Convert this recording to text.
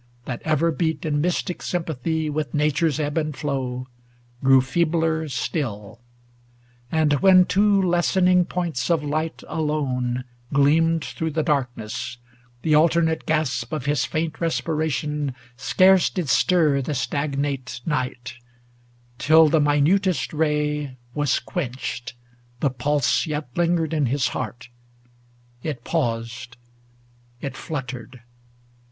That ever beat in mystic sympathy With Nature's ebb and flow, grew feebler still; And when two lessening points of ligU alone Gleamed through the darkness, the alter nate gasp Of his faint respiration scarce did stir The stagnate night : ŌĆö till the minutest ray Was quenched, the pulse yet lingered in his heart. It paused ŌĆö it fluttered.